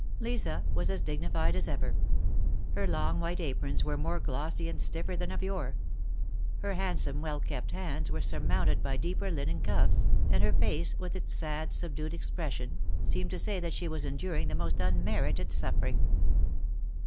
Lisa was as dignified as ever. Her long white aprons were more glossy" and stiffer than of yore ; her handsome well kept hands were surmounted by deeper linen cuffs, and her face, with its sad, subdued expression, seemed to say that she was enduring the most unmerited suffering.